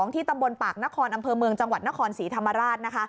ที่ตำบลปากนครอำเภอเมืองจังหวัดนครศรีธรรมราช